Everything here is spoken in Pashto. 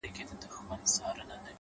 هر منزل د نوي فهم سرچینه ده’